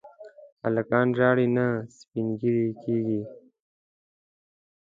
هلکان ژاړي نه، سپين ږيري کيږي.